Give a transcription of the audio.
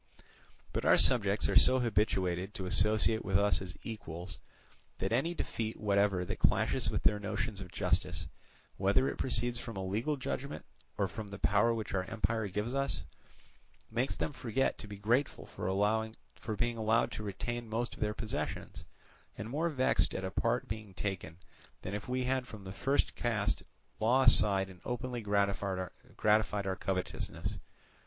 But our subjects are so habituated to associate with us as equals that any defeat whatever that clashes with their notions of justice, whether it proceeds from a legal judgment or from the power which our empire gives us, makes them forget to be grateful for being allowed to retain most of their possessions, and more vexed at a part being taken, than if we had from the first cast law aside and openly gratified our covetousness.